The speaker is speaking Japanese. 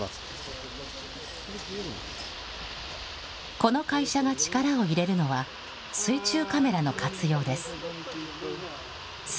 この会社が力を入れるのは、水中カメラの活用です。